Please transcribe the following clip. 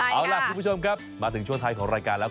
เอาล่ะคุณผู้ชมครับมาถึงช่วงท้ายของรายการแล้ว